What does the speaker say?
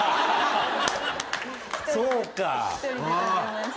そうか！